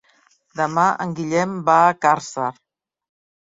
Demà en Guillem va a Càrcer.